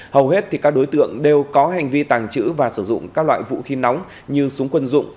hầu hết các đối tượng đều có hành vi tàng trữ và sử dụng các loại vũ khí nóng như súng quân dụng